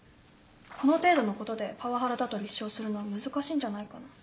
この程度のことでパワハラだと立証するのは難しいんじゃないかな。